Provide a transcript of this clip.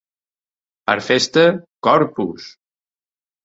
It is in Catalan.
Per a festa, Corpus!